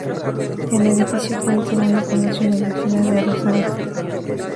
El edificio fue el segundo palacio de la ciudad de Rosario.